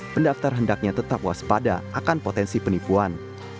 pendaftar hendaknya tetap waspada akan potensi penipuan